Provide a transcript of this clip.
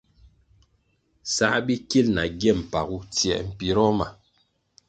Sā bikil na gye mpagu tsiē mpiroh ma.